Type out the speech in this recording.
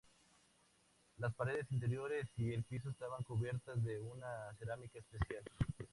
Las paredes interiores y el piso estaban cubiertas de una cerámica especial.